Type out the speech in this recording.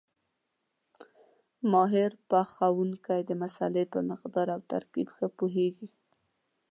ماهر پخوونکی د مسالې په مقدار او ترکیب ښه پوهېږي.